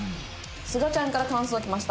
すがちゃんから感想きました。